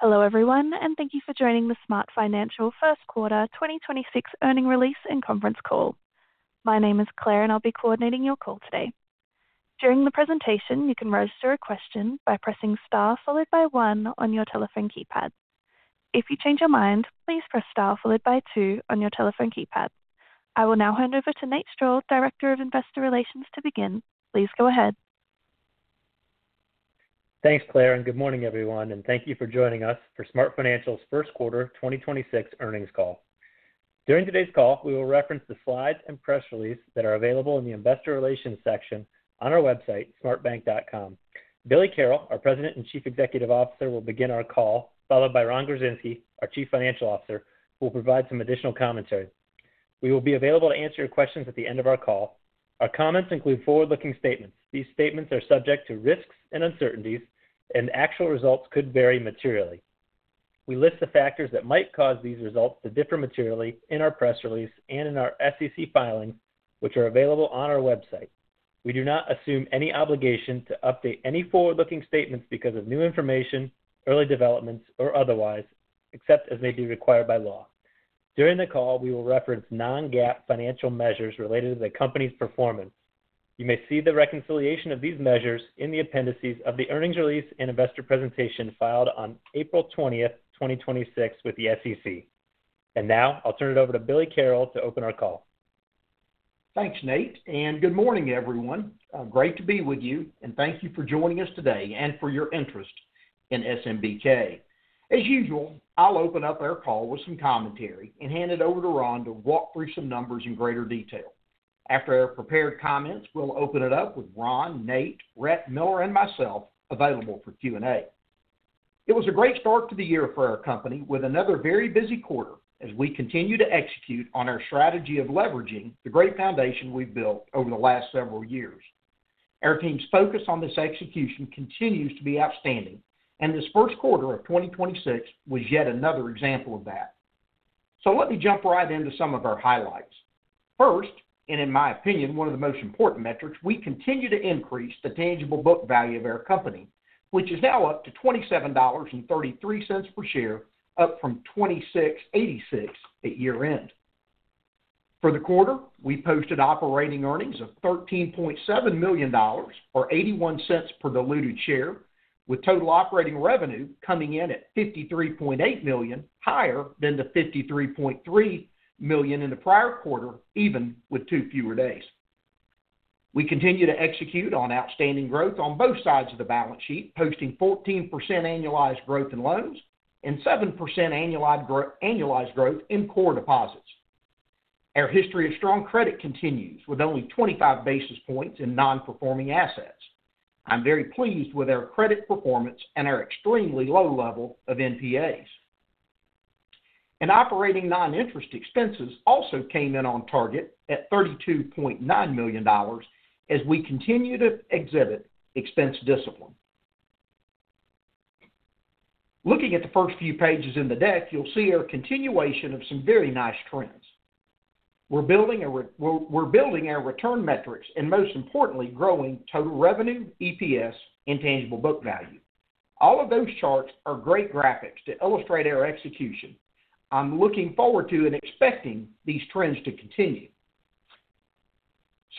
Hello everyone, and thank you for joining the SmartFinancial first quarter 2026 earnings release and conference call. My name is Claire, and I'll be coordinating your call today. During the presentation, you can register a question by pressing star followed by one on your telephone keypad. If you change your mind, please press star followed by two on your telephone keypad. I will now hand over to Nathan Strall, Director of Investor Relations to begin. Please go ahead. Thanks, Claire, and good morning everyone, and thank you for joining us for SmartFinancial's first quarter 2026 earnings call. During today's call, we will reference the slides and press release that are available in the investor relations section on our website, smartbank.com. Billy Carroll, our President and Chief Executive Officer will begin our call, followed by Ron Gorczynski, our Chief Financial Officer, who will provide some additional commentary. We will be available to answer your questions at the end of our call. Our comments include forward-looking statements. These statements are subject to risks and uncertainties, and actual results could vary materially. We list the factors that might cause these results to differ materially in our press release and in our SEC filings, which are available on our website. We do not assume any obligation to update any forward-looking statements because of new information, early developments, or otherwise, except as may be required by law. During the call, we will reference non-GAAP financial measures related to the company's performance. You may see the reconciliation of these measures in the appendices of the earnings release and investor presentation filed on April 20th, 2026 with the SEC. Now I'll turn it over to Billy Carroll to open our call. Thanks, Nathan, and good morning everyone. Great to be with you, and thank you for joining us today and for your interest in SMBK. As usual, I'll open up our call with some commentary and hand it over to Ron to walk through some numbers in greater detail. After our prepared comments, we'll open it up with Ron, Nathan, Rhett Jordan, and myself available for Q and A. It was a great start to the year for our company with another very busy quarter as we continue to execute on our strategy of leveraging the great foundation we've built over the last several years. Our team's focus on this execution continues to be outstanding, and this first quarter of 2026 was yet another example of that. Let me jump right into some of our highlights. First, and in my opinion, one of the most important metrics, we continue to increase the tangible book value of our company, which is now up to $27.33 per share up from $26.86 at year-end. For the quarter, we posted operating earnings of $13.7 million, or $0.81 per diluted share, with total operating revenue coming in at $53.8 million, higher than the $53.3 million in the prior quarter, even with two fewer days. We continue to execute on outstanding growth on both sides of the balance sheet, posting 14% annualized growth in loans and 7% annualized growth in core deposits. Our history of strong credit continues with only 25 basis points in non-performing assets. I'm very pleased with our credit performance and our extremely low level of NPAs. Operating non-interest expenses also came in on target at $32.9 million as we continue to exhibit expense discipline. Looking at the first few pages in the deck, you'll see our continuation of some very nice trends. We're building our return metrics and most importantly, growing total revenue, EPS, and tangible book value. All of those charts are great graphics to illustrate our execution. I'm looking forward to and expecting these trends to continue.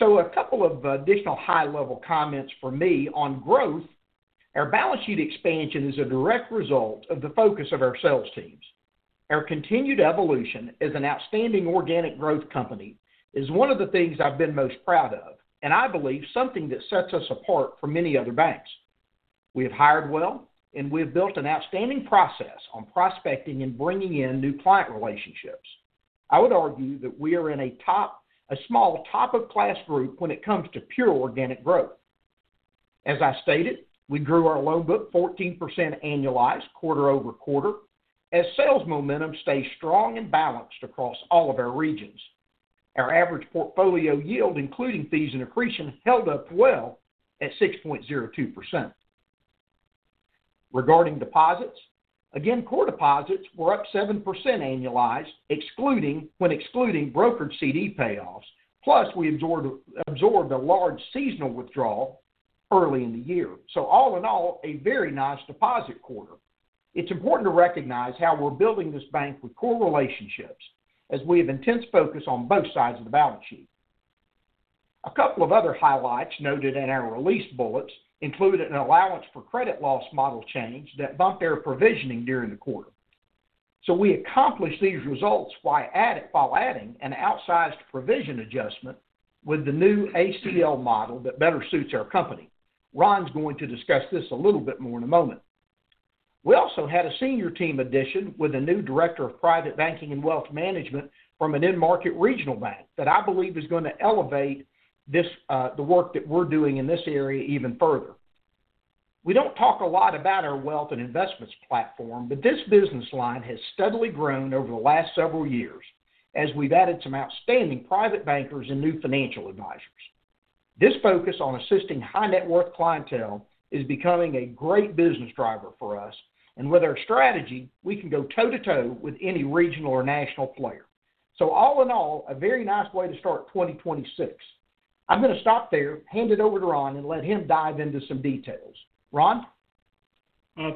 A couple of additional high level comments from me on growth. Our balance sheet expansion is a direct result of the focus of our sales teams. Our continued evolution as an outstanding organic growth company is one of the things I've been most proud of, and I believe something that sets us apart from many other banks. We have hired well, and we have built an outstanding process on prospecting and bringing in new client relationships. I would argue that we are in a small top of class group when it comes to pure organic growth. As I stated, we grew our loan book 14% annualized quarter over quarter as sales momentum stayed strong and balanced across all of our regions. Our average portfolio yield, including fees and accretion, held up well at 6.02%. Regarding deposits, again, core deposits were up 7% annualized when excluding brokered CD payoffs. Plus, we absorbed a large seasonal withdrawal early in the year. All in all, a very nice deposit quarter. It's important to recognize how we're building this bank with core relationships as we have intense focus on both sides of the balance sheet. A couple of other highlights noted in our release bullets included an allowance for credit loss model change that bumped our provisioning during the quarter. We accomplished these results while adding an outsized provision adjustment with the new ACL model that better suits our company. Ron's going to discuss this a little bit more in a moment. We also had a senior team addition with a new director of private banking and wealth management from an in-market regional bank that I believe is going to elevate the work that we're doing in this area even further. We don't talk a lot about our wealth and investments platform, but this business line has steadily grown over the last several years as we've added some outstanding private bankers and new financial advisors. This focus on assisting high net worth clientele is becoming a great business driver for us, and with our strategy, we can go toe to toe with any regional or national player. All in all, a very nice way to start 2026. I'm going to stop there, hand it over to Ron, and let him dive into some details. Ron?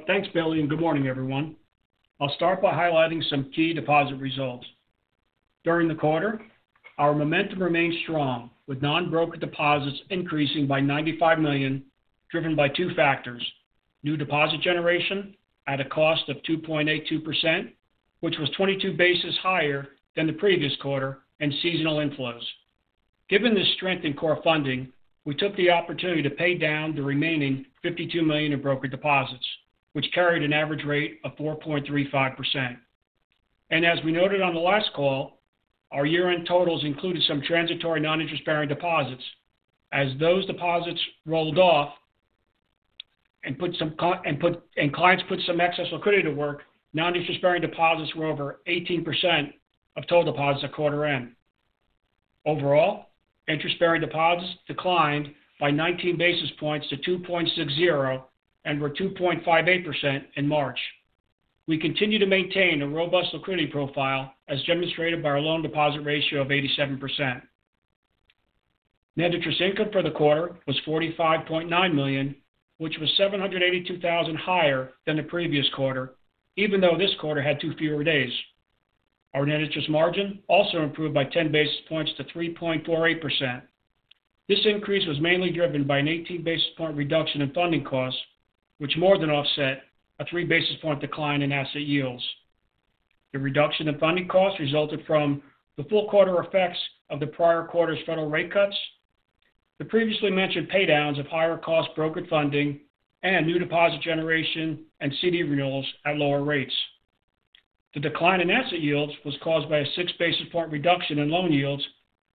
Thanks, Billy, and good morning, everyone. I'll start by highlighting some key deposit results. During the quarter, our momentum remained strong with non-broker deposits increasing by $95 million, driven by two factors, new deposit generation at a cost of 2.82%, which was 22 basis points higher than the previous quarter, and seasonal inflows. Given the strength in core funding, we took the opportunity to pay down the remaining $52 million in broker deposits, which carried an average rate of 4.35%. As we noted on the last call, our year-end totals included some transitory non-interest-bearing deposits. As those deposits rolled off and clients put some excess liquidity to work, non-interest-bearing deposits were over 18% of total deposits at quarter end. Overall, interest-bearing deposits declined by 19 basis points to 2.60% and were 2.58% in March. We continue to maintain a robust liquidity profile as demonstrated by our loan deposit ratio of 87%. Net interest income for the quarter was $45.9 million, which was $782,000 higher than the previous quarter, even though this quarter had two fewer days. Our net interest margin also improved by 10 basis points to 3.48%. This increase was mainly driven by an 18 basis point reduction in funding costs, which more than offset a three basis point decline in asset yields. The reduction in funding costs resulted from the full quarter effects of the prior quarter's federal rate cuts, the previously mentioned pay-downs of higher cost brokered funding, and new deposit generation and CD renewals at lower rates. The decline in asset yields was caused by a six basis points reduction in loan yields,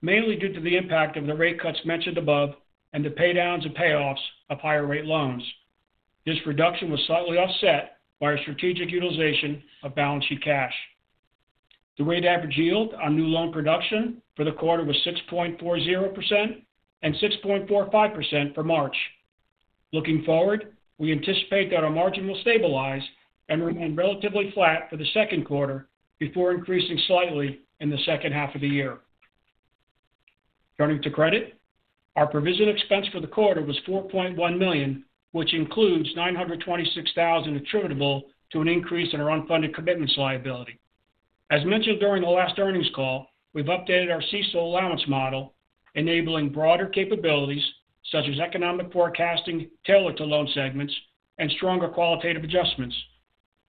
mainly due to the impact of the rate cuts mentioned above and the pay-downs and payoffs of higher rate loans. This reduction was slightly offset by our strategic utilization of balance sheet cash. The weighted average yield on new loan production for the quarter was 6.40% and 6.45% for March. Looking forward, we anticipate that our margin will stabilize and remain relatively flat for the second quarter before increasing slightly in the second half of the year. Turning to credit, our provision expense for the quarter was $4.1 million, which includes $926,000 attributable to an increase in our unfunded commitments liability. As mentioned during the last earnings call, we've updated our CECL allowance model, enabling broader capabilities such as economic forecasting tailored to loan segments and stronger qualitative adjustments.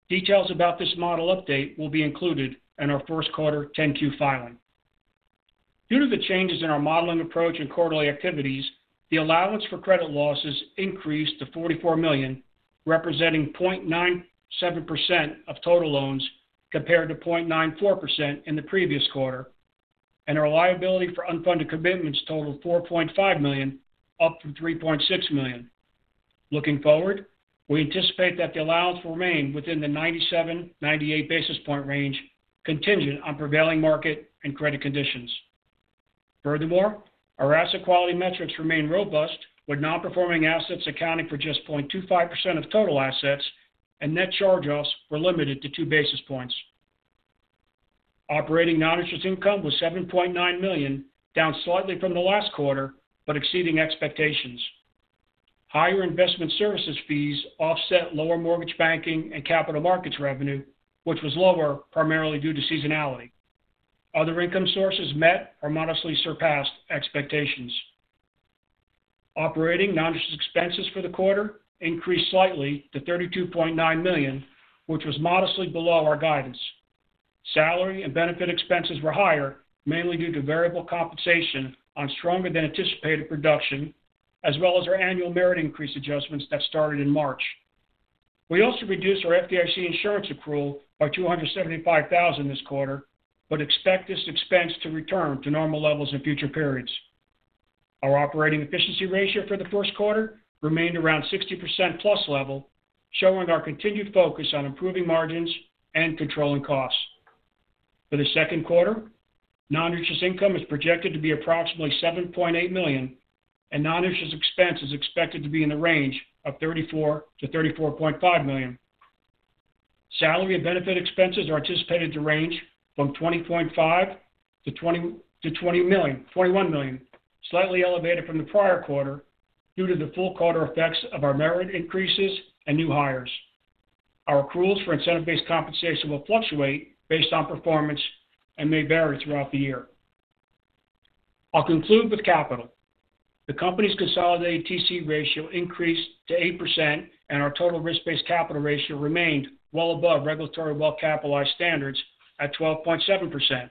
Details about this model update will be included in our first quarter 10-Q filing. Due to the changes in our modeling approach and quarterly activities, the allowance for credit losses increased to $44 million, representing 0.97% of total loans, compared to 0.94% in the previous quarter, and our liability for unfunded commitments totaled $4.5 million, up from $3.6 million. Looking forward, we anticipate that the allowance will remain within the 97-98 basis point range, contingent on prevailing market and credit conditions. Furthermore, our asset quality metrics remain robust with non-performing assets accounting for just 0.25% of total assets, and net charge-offs were limited to two basis points. Operating non-interest income was $7.9 million, down slightly from the last quarter, but exceeding expectations. Higher investment services fees offset lower mortgage banking and capital markets revenue, which was lower primarily due to seasonality. Other income sources met or modestly surpassed expectations. Operating non-interest expenses for the quarter increased slightly to $32.9 million, which was modestly below our guidance. Salary and benefit expenses were higher, mainly due to variable compensation on stronger than anticipated production, as well as our annual merit increase adjustments that started in March. We also reduced our FDIC insurance accrual by $275,000 this quarter, but expect this expense to return to normal levels in future periods. Our operating efficiency ratio for the first quarter remained around 60% plus level, showing our continued focus on improving margins and controlling costs. For the second quarter, non-interest income is projected to be approximately $7.8 million, and non-interest expense is expected to be in the range of $34-$34.5 million. Salary and benefit expenses are anticipated to range from $20.5-$21 million, slightly elevated from the prior quarter due to the full quarter effects of our merit increases and new hires. Our accruals for incentive-based compensation will fluctuate based on performance and may vary throughout the year. I'll conclude with capital. The company's consolidated TCE ratio increased to 8%, and our total risk-based capital ratio remained well above regulatory well-capitalized standards at 12.7%.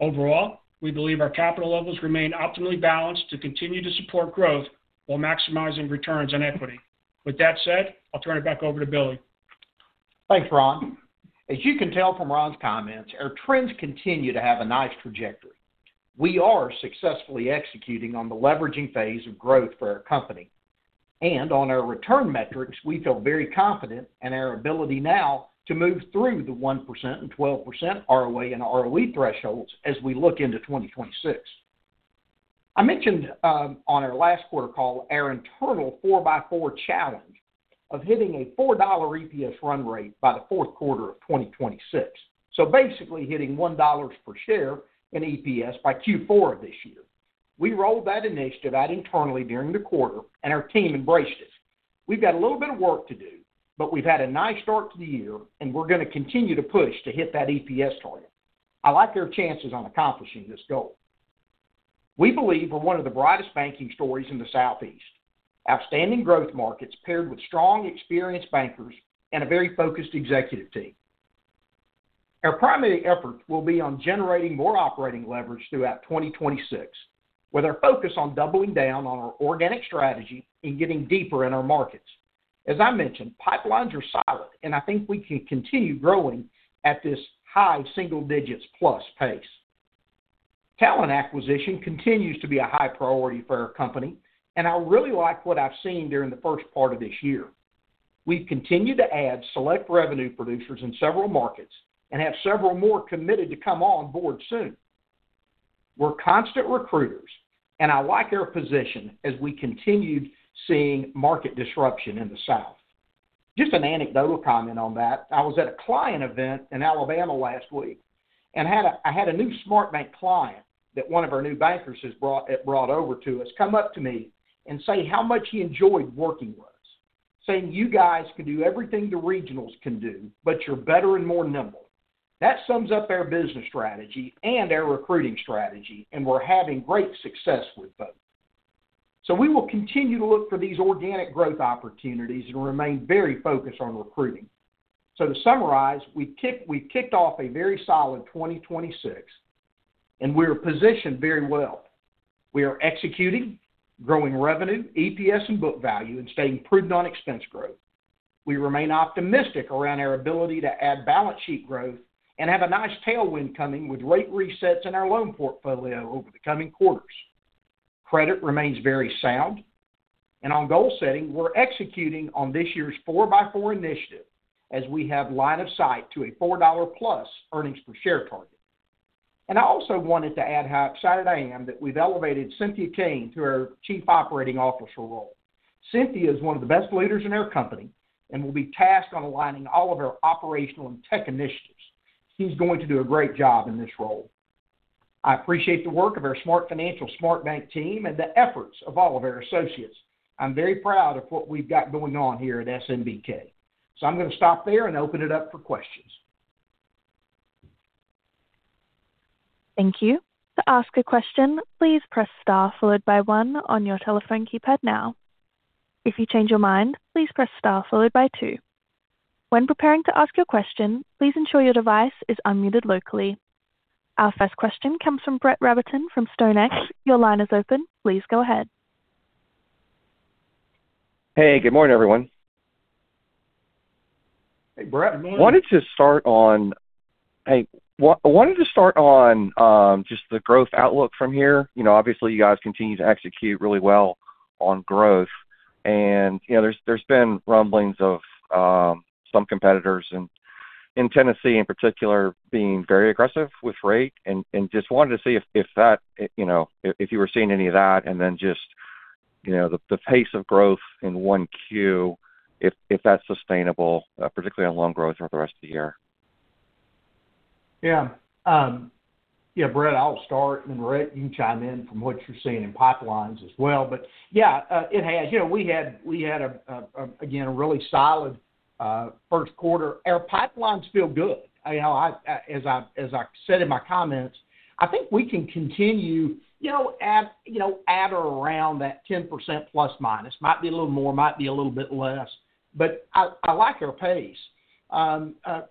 Overall, we believe our capital levels remain optimally balanced to continue to support growth while maximizing returns on equity. With that said, I'll turn it back over to Billy. Thanks, Ron. As you can tell from Ron's comments, our trends continue to have a nice trajectory. We are successfully executing on the leveraging phase of growth for our company. On our return metrics, we feel very confident in our ability now to move through the 1% and 12% ROA and ROE thresholds as we look into 2026. I mentioned on our last quarter call our internal four by four challenge of hitting a $4 EPS run rate by the fourth quarter of 2026. Basically hitting $1 per share in EPS by Q4 of this year. We rolled that initiative out internally during the quarter, and our team embraced it. We've got a little bit of work to do, but we've had a nice start to the year, and we're going to continue to push to hit that EPS target. I like our chances on accomplishing this goal. We believe we're one of the brightest banking stories in the Southeast. Outstanding growth markets paired with strong, experienced bankers and a very focused executive team. Our primary effort will be on generating more operating leverage throughout 2026, with our focus on doubling down on our organic strategy and getting deeper in our markets. As I mentioned, pipelines are solid, and I think we can continue growing at this high single digits plus pace. Talent acquisition continues to be a high priority for our company, and I really like what I've seen during the first part of this year. We've continued to add select revenue producers in several markets and have several more committed to come on board soon. We're constant recruiters, and I like our position as we continued seeing market disruption in the South. Just an anecdotal comment on that. I was at a client event in Alabama last week, and I had a new SmartBank client that one of our new bankers has brought over to us come up to me and say how much he enjoyed working with us, saying, "You guys can do everything the regionals can do, but you're better and more nimble." That sums up our business strategy and our recruiting strategy, and we're having great success with both. We will continue to look for these organic growth opportunities and remain very focused on recruiting. To summarize, we've kicked off a very solid 2026, and we're positioned very well. We are executing, growing revenue, EPS, and book value, and staying prudent on expense growth. We remain optimistic around our ability to add balance sheet growth and have a nice tailwind coming with rate resets in our loan portfolio over the coming quarters. Credit remains very sound. On goal setting, we're executing on this year's Four by Four initiative as we have line of sight to a $4+ earnings per share target. I also wanted to add how excited I am that we've elevated Cynthia Cain to our Chief Operating Officer role. Cynthia is one of the best leaders in our company and will be tasked on aligning all of our operational and tech initiatives. She's going to do a great job in this role. I appreciate the work of our SmartFinancial SmartBank team and the efforts of all of our associates. I'm very proud of what we've got going on here at SMBK. I'm going to stop there and open it up for questions. Thank you. To ask a question, please press star followed by one on your telephone keypad now. If you change your mind, please press star followed by two. When preparing to ask your question, please ensure your device is unmuted locally. Our first question comes from Brett Rabatin from StoneX. Your line is open. Please go ahead. Hey, good morning, everyone. Hey, Brett. Good morning. Wanted to start on just the growth outlook from here. Obviously, you guys continue to execute really well on growth, and there's been rumblings of some competitors in Tennessee in particular being very aggressive with rate, and just wanted to see if you were seeing any of that, and then just the pace of growth in 1Q, if that's sustainable, particularly on loan growth for the rest of the year. Yeah. Brett, I'll start, and then Rhett, you can chime in from what you're seeing in pipelines as well. Yeah, we had, again, a really solid first quarter. Our pipelines feel good. As I said in my comments, I think we can continue at or around that 10% plus minus. Might be a little more, might be a little bit less, but I like our pace.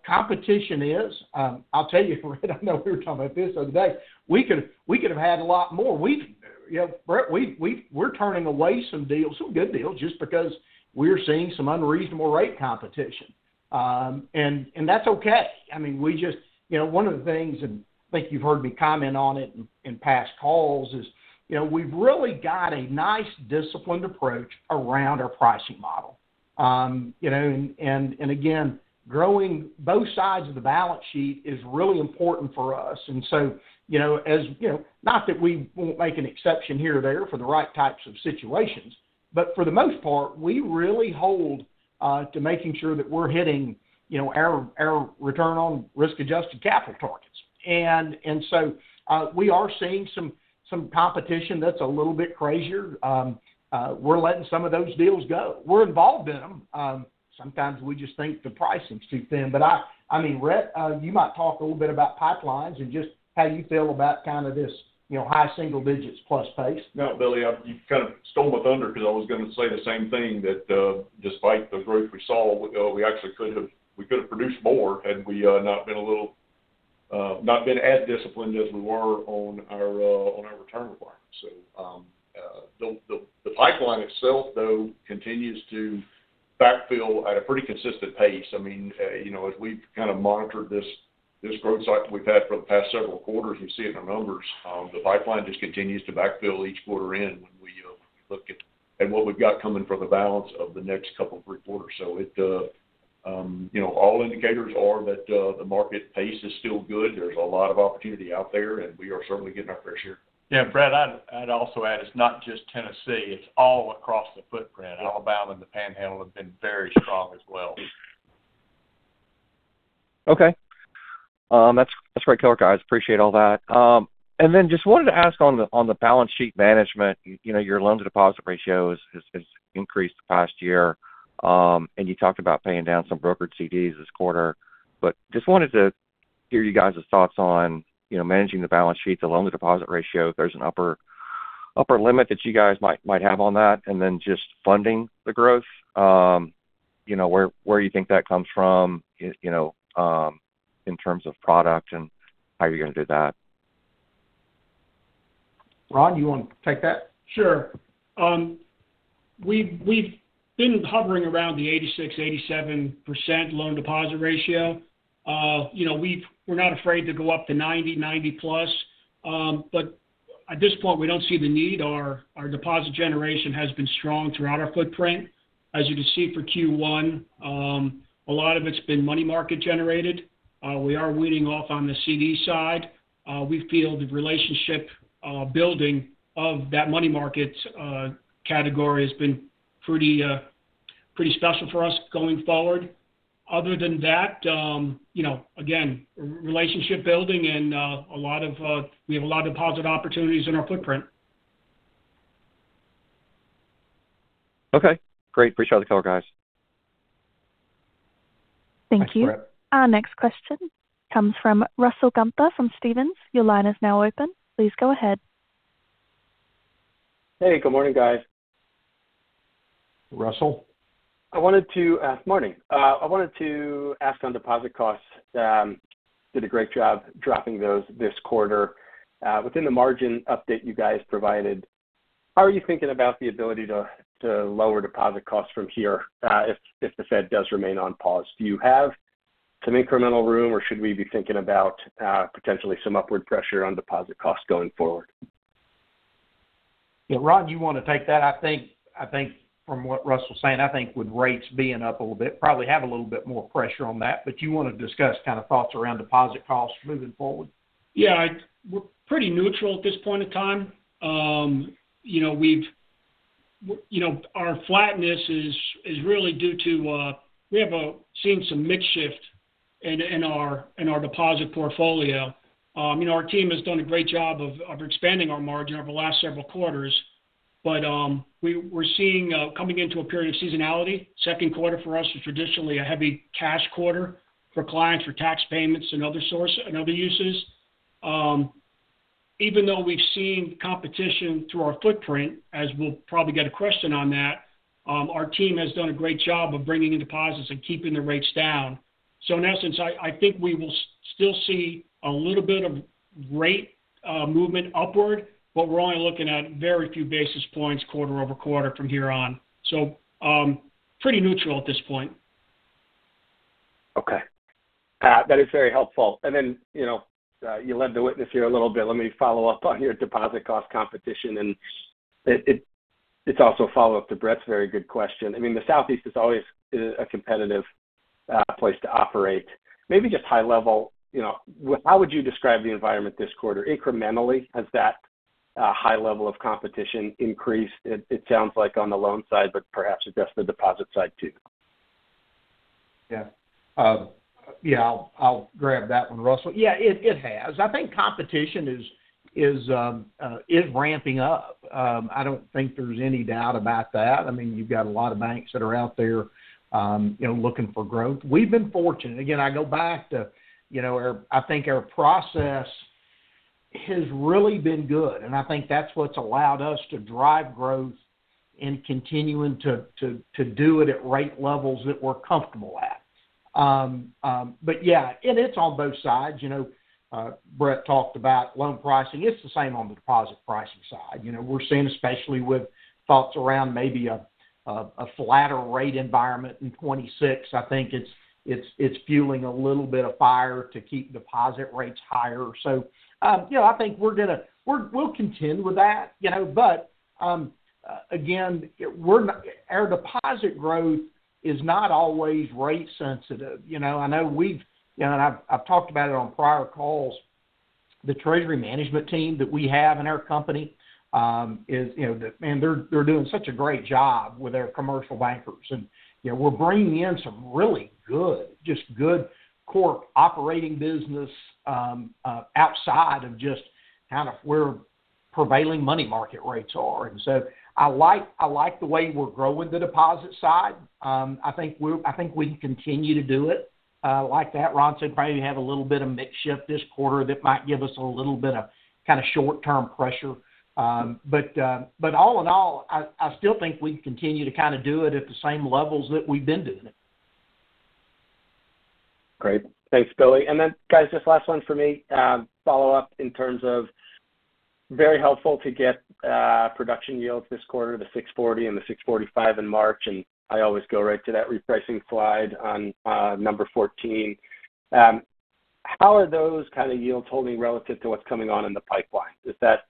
Competition is. I'll tell you, Rhett, I know we were talking about this the other day. We could have had a lot more. Brett, we're turning away some deals, some good deals, just because we're seeing some unreasonable rate competition, and that's okay. One of the things, and I think you've heard me comment on it in past calls, is we've really got a nice disciplined approach around our pricing model. Again, growing both sides of the balance sheet is really important for us. Not that we won't make an exception here or there for the right types of situations, but for the most part, we really hold to making sure that we're hitting our return on risk-adjusted capital targets. We are seeing some competition that's a little bit crazier. We're letting some of those deals go. We're involved in them. Sometimes we just think the pricing is too thin. I mean, Rhett, you might talk a little bit about pipelines and just how you feel about kind of this high single digits plus pace. No, Billy, you kind of stole my thunder because I was going to say the same thing that despite the growth we saw, we actually could have produced more had we not been as disciplined as we were on our return requirements. The pipeline itself, though, continues to backfill at a pretty consistent pace. As we've kind of monitored this growth cycle we've had for the past several quarters, you see it in our numbers. The pipeline just continues to backfill each quarter end when we look at what we've got coming for the balance of the next couple of quarters. All indicators are that the market pace is still good. There's a lot of opportunity out there, and we are certainly getting our fair share. Yeah, Brett, I'd also add, it's not just Tennessee. It's all across the footprint. Alabama and the Panhandle have been very strong as well. Okay. That's great color, guys. Appreciate all that. Then just wanted to ask on the balance sheet management, your loan-to-deposit ratio has increased the past year. You talked about paying down some brokered CDs this quarter, but just wanted to hear you guys' thoughts on managing the balance sheet, the loan-to-deposit ratio. If there's an upper limit that you guys might have on that, and then just funding the growth, where you think that comes from in terms of product and how you're going to do that. Rod, you want to take that? Sure. We've been hovering around the 86%-87% loan-to-deposit ratio. We're not afraid to go up to 90%, 90+, but at this point, we don't see the need. Our deposit generation has been strong throughout our footprint. As you can see for Q1, a lot of it's been money market generated. We are weaning off on the CD side. We feel the relationship building of that money markets category has been pretty special for us going forward. Other than that, again, relationship building and we have a lot of deposit opportunities in our footprint. Okay, great. Appreciate all the color, guys. Thank you. Thanks, Brett. Our next question comes from Russell Gunther from Stephens. Your line is now open. Please go ahead. Hey, good morning, guys. Russell. Morning. I wanted to ask on deposit costs. Did a great job dropping those this quarter. Within the margin update you guys provided, how are you thinking about the ability to lower deposit costs from here if the Fed does remain on pause? Do you have some incremental room, or should we be thinking about potentially some upward pressure on deposit costs going forward? Yeah. Ron, do you want to take that? I think from what Russell's saying, I think with rates being up a little bit, probably have a little bit more pressure on that. Do you want to discuss kind of thoughts around deposit costs moving forward? Yeah, we're pretty neutral at this point in time. Our flatness is really due to, we have seen some mix shift in our deposit portfolio. Our team has done a great job of expanding our margin over the last several quarters, but we're seeing, coming into a period of seasonality. Second quarter for us is traditionally a heavy cash quarter for clients, for tax payments and other uses. Even though we've seen competition through our footprint, as we'll probably get a question on that, our team has done a great job of bringing in deposits and keeping the rates down. In essence, I think we will still see a little bit of rate movement upward, but we're only looking at very few basis points quarter-over-quarter from here on. Pretty neutral at this point. Okay. That is very helpful. Then, you led the witness here a little bit. Let me follow up on your deposit cost competition, and it's also a follow-up to Brett's very good question. I mean, the Southeast is always a competitive place to operate. Maybe just high level, how would you describe the environment this quarter? Incrementally, has that high level of competition increased? It sounds like on the loan side, but perhaps it does on the deposit side, too. Yeah. I'll grab that one, Russell. Yeah, it has.I think competition is ramping up. I don't think there's any doubt about that. You've got a lot of banks that are out there looking for growth. We've been fortunate. Again, I go back to, I think our process has really been good, and I think that's what's allowed us to drive growth and continuing to do it at rate levels that we're comfortable at. Yeah, and it's on both sides. Brett talked about loan pricing. It's the same on the deposit pricing side. We're seeing, especially with thoughts around maybe a flatter rate environment in 2026, I think it's fueling a little bit of fire to keep deposit rates higher. I think we'll contend with that. Again, our deposit growth is not always rate sensitive. I know I've talked about it on prior calls. The treasury management team that we have in our company, man, they're doing such a great job with our commercial bankers. We're bringing in some really good, just good core operating business outside of just kind of where prevailing money market rates are. I like the way we're growing the deposit side. I think we can continue to do it. Like that, Ron said, probably have a little bit of mix shift this quarter that might give us a little bit of short-term pressure. All in all, I still think we can continue to do it at the same levels that we've been doing it. Great. Thanks, Billy. Guys, just last one for me. Follow-up in terms of very helpful to get production yields this quarter, the 640 and the 645 in March, and I always go right to that repricing slide on number 14. How are those kind of yields holding relative to what's coming on in the pipeline? Is that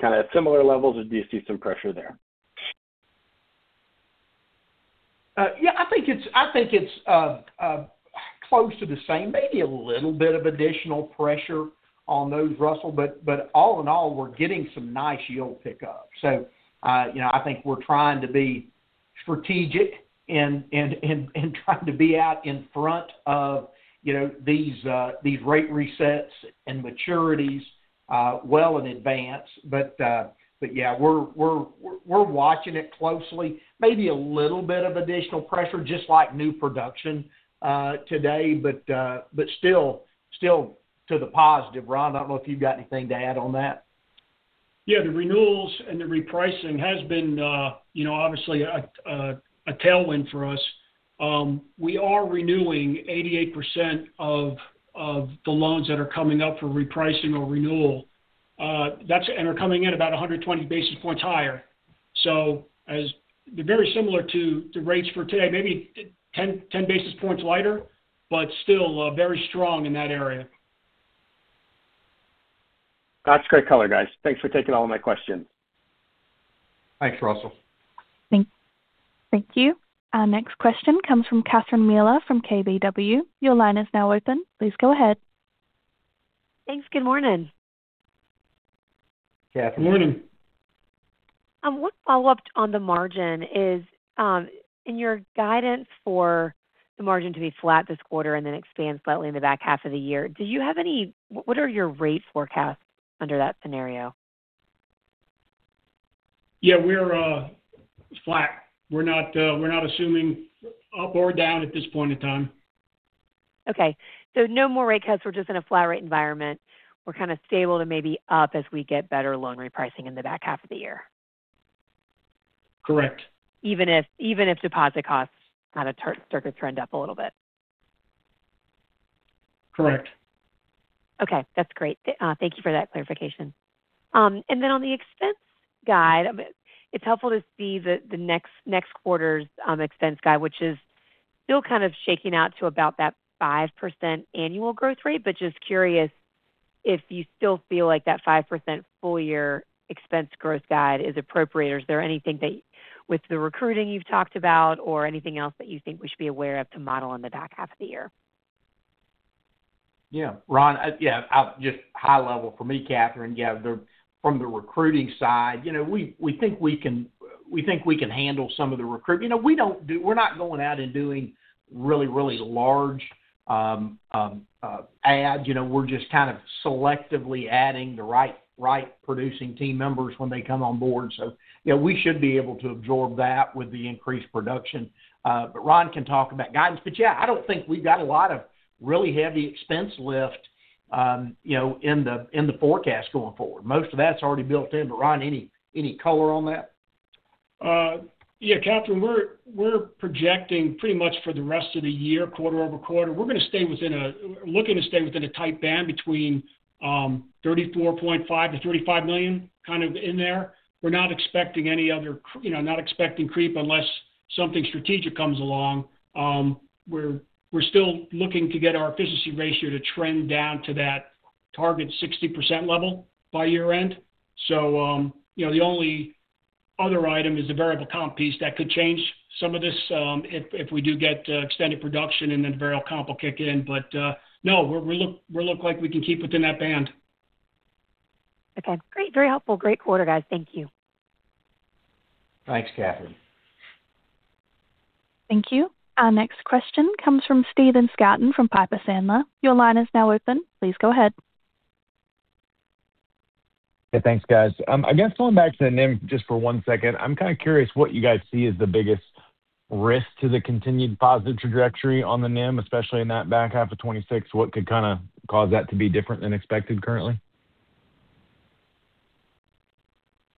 kind of at similar levels or do you see some pressure there? Yeah, I think it's close to the same, maybe a little bit of additional pressure on those, Russell. All in all, we're getting some nice yield pickup. I think we're trying to be strategic and trying to be out in front of these rate resets and maturities well in advance. Yeah, we're watching it closely. Maybe a little bit of additional pressure, just like new production today. Still to the positive. Ron, I don't know if you've got anything to add on that. Yeah, the renewals and the repricing has been obviously a tailwind for us. We are renewing 88% of the loans that are coming up for repricing or renewal, and are coming in about 120 basis points higher. Very similar to rates for today, maybe 10 basis points lighter, but still very strong in that area. That's great color, guys. Thanks for taking all of my questions. Thanks, Russell. Thank you. Our next question comes from Catherine Mealor from KBW. Your line is now open. Please go ahead. Thanks. Good morning. Catherine. Morning. One follow-up on the margin is, in your guidance for the margin to be flat this quarter and then expand slightly in the back half of the year, what are your rate forecasts under that scenario? Yeah, we're flat. We're not assuming up or down at this point in time. Okay. No more rate cuts. We're just in a flat rate environment. We're kind of stable to maybe up as we get better loan repricing in the back half of the year. Correct. Even if deposit costs kind of start to trend up a little bit. Correct. Okay, that's great. Thank you for that clarification. On the expense guide, it's helpful to see the next quarter's expense guide, which is still kind of shaking out to about that 5% annual growth rate, but just curious if you still feel like that 5% full year expense growth guide is appropriate, or is there anything that with the recruiting you've talked about or anything else that you think we should be aware of to model in the back half of the year? Yeah. Ron, just high level for me, Catherine. From the recruiting side, we think we can handle some of the recruitment. We're not going out and doing really large ads. We're just kind of selectively adding the right producing team members when they come on board. We should be able to absorb that with the increased production. Ron can talk about guidance. Yeah, I don't think we've got a lot of really heavy expense lift in the forecast going forward. Most of that's already built in. Ron, any color on that? Yeah, Catherine, we're projecting pretty much for the rest of the year, quarter-over-quarter. We're looking to stay within a tight band between $34.5 million-$35 million, kind of in there. We're not expecting creep unless something strategic comes along. We're still looking to get our efficiency ratio to trend down to that target 60% level by year-end. The only other item is the variable comp piece that could change some of this, if we do get extended production and then the variable comp will kick in. No, we look like we can keep within that band. Okay, great. Very helpful. Great quarter, guys. Thank you. Thanks, Catherine. Thank you. Our next question comes from Stephen Scouten from Piper Sandler. Your line is now open. Please go ahead. Hey, thanks, guys. I guess going back to the NIM just for one second, I'm kind of curious what you guys see as the biggest risk to the continued positive trajectory on the NIM, especially in that back half of 2026. What could kind of cause that to be different than expected currently?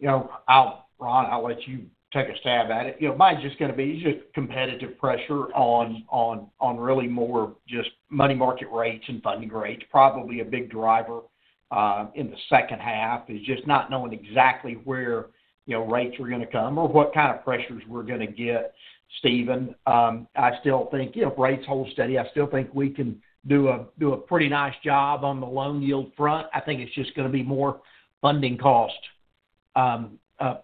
Ron, I'll let you take a stab at it. Mine's just going to be just competitive pressure on really more just money market rates and funding rates. Probably a big driver in the second half is just not knowing exactly where rates are going to come or what kind of pressures we're going to get. Stephen, I still think if rates hold steady, I still think we can do a pretty nice job on the loan yield front. I think it's just going to be more funding cost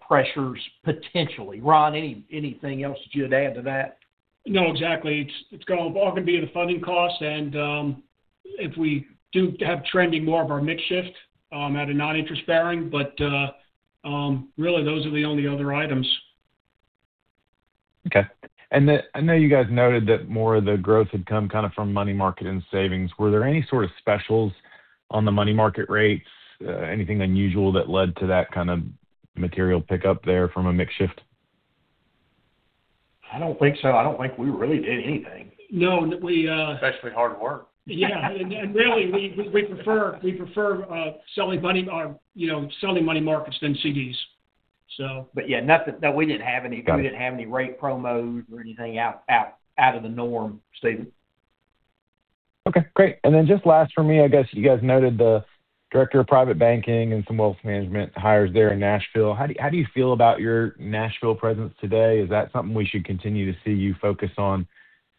pressures, potentially. Ron, anything else that you would add to that? No, exactly. It's all going to be in the funding costs, and if we do have trending more of our mix shift at a non-interest-bearing. Really, those are the only other items. Okay. I know you guys noted that more of the growth had come from money market and savings. Were there any sort of specials on the money market rates? Anything unusual that led to that kind of material pickup there from a mix shift? I don't think so. I don't think we really did anything. No. Especially hard work. Yeah. Really, we prefer selling money markets than CDs, so... Yeah, no, we didn't have any rate promos or anything out of the norm, Stephen. Okay, great. Just last for me, I guess you guys noted the director of private banking and some wealth management hires there in Nashville. How do you feel about your Nashville presence today? Is that something we should continue to see you focus on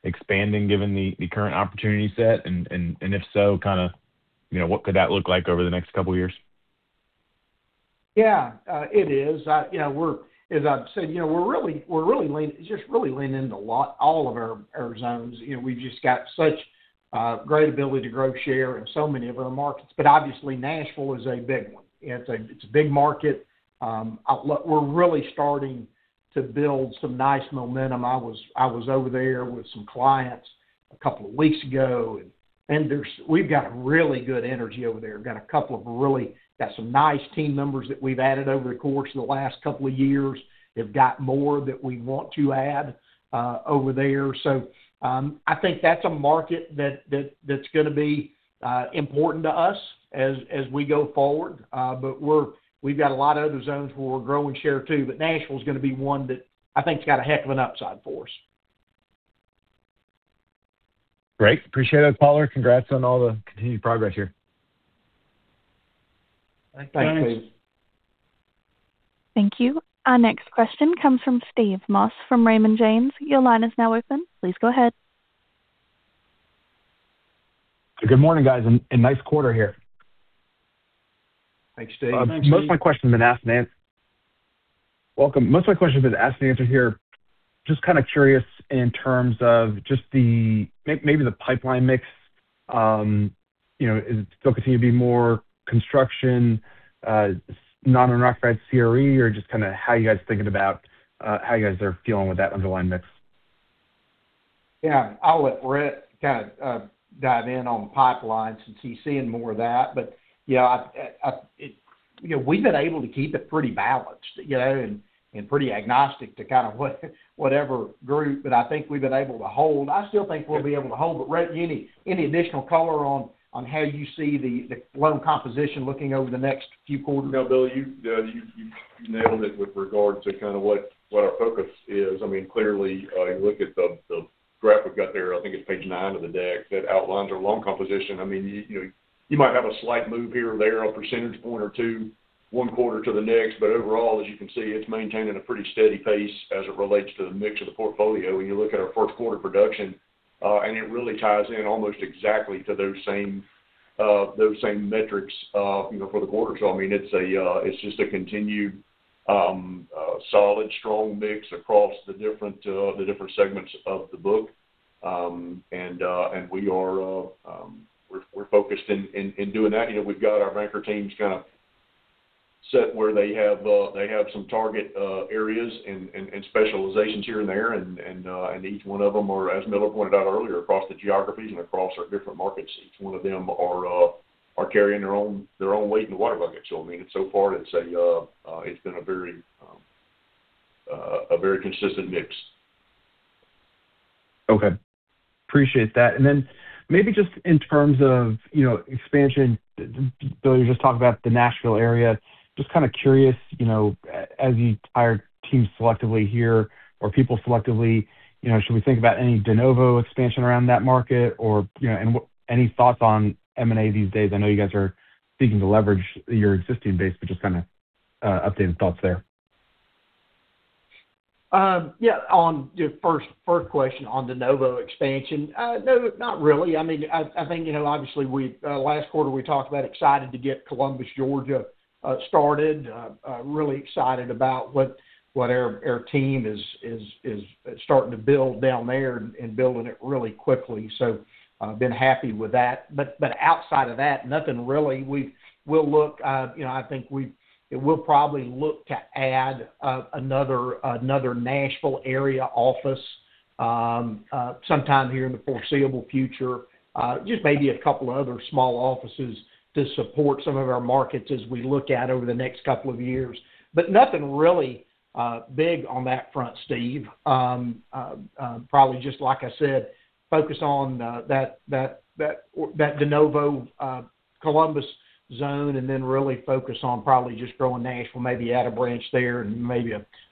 expanding, given the current opportunity set? And if so, what could that look like over the next couple of years? Yeah. It is. As I've said, we're just really leaning into all of our zones. We've just got such a great ability to grow share in so many of our markets. Obviously, Nashville is a big one. It's a big market. We're really starting to build some nice momentum. I was over there with some clients a couple of weeks ago, and we've got really good energy over there. Got some nice team members that we've added over the course of the last couple of years. They've got more that we want to add over there. I think that's a market that's going to be important to us as we go forward. We've got a lot of other zones where we're growing share too. Nashville is going to be one that I think has got a heck of an upside for us. Great. Appreciate it, Billy. Congrats on all the continued progress here. Thanks, Stephen. Thanks. Thank you. Our next question comes from Steve Moss from Raymond James. Your line is now open. Please go ahead. Good morning, guys, and nice quarter here. Thanks, Steve. Thanks, Steve. Most of my question's been asked and answered here. Just kind of curious in terms of just maybe the pipeline mix. Is it still continuing to be more construction, non-owner and owner-occupied CRE, or just kind of how you guys are thinking about how you guys are feeling with that underlying mix? Yeah. I'll let Rhett kind of dive in on the pipeline since he's seeing more of that. Yeah, we've been able to keep it pretty balanced, and pretty agnostic to kind of whatever group. I think we've been able to hold. I still think we'll be able to hold. Rhett, any additional color on how you see the loan composition looking over the next few quarters? No, Billy, you nailed it with regard to kind of what our focus is. Clearly, if you look at the graph we've got there, I think it's page nine of the deck, that outlines our loan composition. You might have a slight move here or there, a percentage point or 2, one quarter to the next, but overall, as you can see, it's maintaining a pretty steady pace as it relates to the mix of the portfolio when you look at our first quarter production. It really ties in almost exactly to those same metrics for the quarter. It's just a continued, solid, strong mix across the different segments of the book. We're focused in doing that. We've got our banker teams kind of set where they have some target areas and specializations here and there, and each one of them are, as Miller pointed out earlier, across the geographies and across our different market seats. One of them are carrying their own weight in the water bucket. So far it's been a very consistent mix. Okay. Appreciate that. Maybe just in terms of expansion, Billy, you just talked about the Nashville area. Just kind of curious, as you hire teams selectively here or people selectively, should we think about any de novo expansion around that market? Or any thoughts on M&A these days? I know you guys are seeking to leverage your existing base, but just kind of updated thoughts there. Yeah. On your first question on de novo expansion, no, not really. I think obviously, last quarter we talked about excited to get Columbus, Georgia started. Really excited about what our team is starting to build down there and building it really quickly, so been happy with that. Outside of that, nothing really. We'll probably look to add another Nashville area office, sometime here in the foreseeable future. Just maybe a couple of other small offices to support some of our markets as we look out over the next couple of years. Nothing really big on that front, Steve. Probably just, like I said, focus on that de novo Columbus zone, and then really focus on probably just growing Nashville, maybe add a branch there, and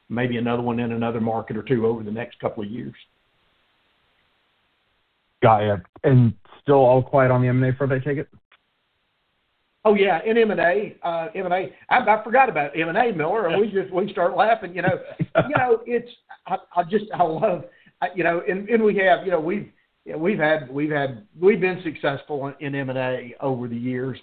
maybe another one in another market or two over the next couple of years. Got it. Still all quiet on the M&A front by any chance? Oh, yeah. In M&A, I forgot about M&A, Miller. We start laughing. We've been successful in M&A over the years.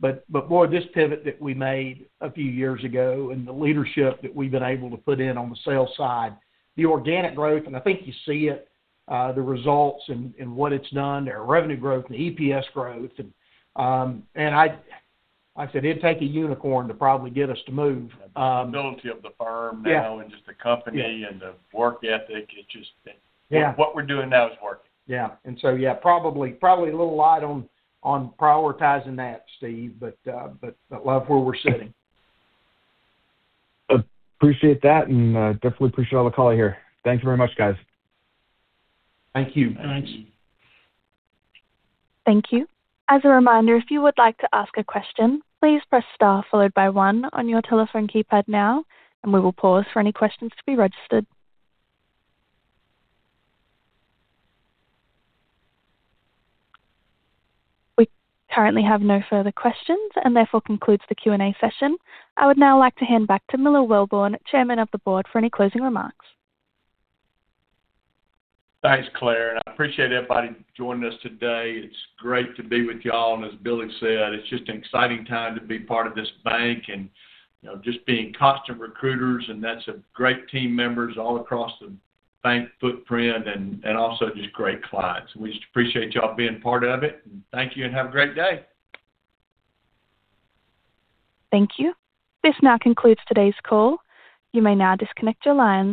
Boy, this pivot that we made a few years ago and the leadership that we've been able to put in on the sales side, the organic growth, and I think you see it, the results and what it's done to our revenue growth and EPS growth. Like I said, it'd take a unicorn to probably get us to move. The stability of the firm now. Yeah Just the company and the work ethic. Yeah. What we're doing now is working. Yeah. Yeah, probably a little light on prioritizing that, Steve, but love where we're sitting. Appreciate that, and definitely appreciate all the color here. Thanks very much, guys. Thank you. Thanks. Thank you. As a reminder, if you would like to ask a question, please press star followed by one on your telephone keypad now, and we will pause for any questions to be registered. We currently have no further questions, and therefore concludes the Q and A session. I would now like to hand back to Miller Welborn, Chairman of the Board, for any closing remarks. Thanks, Claire, and I appreciate everybody joining us today. It's great to be with you all, and as Billy said, it's just an exciting time to be part of this bank and just being constantly recruiting great team members all across the bank footprint and also just great clients. We just appreciate you all being part of it, and thank you and have a great day. Thank you. This now concludes today's call. You may now disconnect your lines.